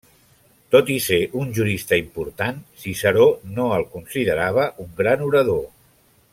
Tot i ser un jurista important, Ciceró no el considerava un gran orador.